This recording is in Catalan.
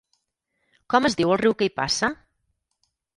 Com es diu el riu que hi passa?